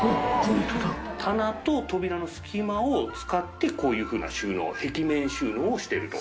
棚と扉の隙間を使ってこういうふうな収納壁面収納をしてると。